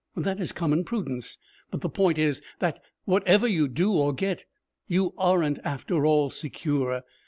That is common prudence. But the point is that, whatever you do or get, you aren't after all secure.